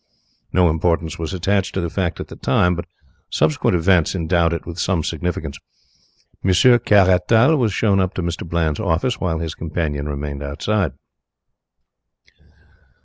No importance was attached to the fact at the time, but subsequent events endowed it with some significance. Monsieur Caratal was shown up to Mr. Bland's office, while his companion remained outside.